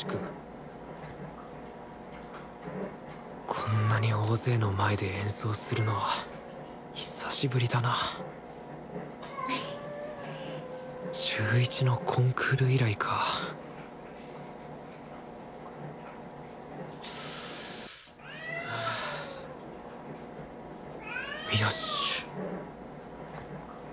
こんなに大勢の前で演奏するのは久しぶりだな中１のコンクール以来かよし！